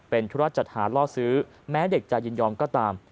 เป็นธุระจัดหาล่อซื้อแม้เด็กจะยินยอมก็ตาม